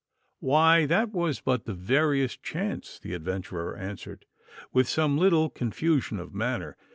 'Why, that was but the veriest chance,' the adventurer answered with some little confusion of manner.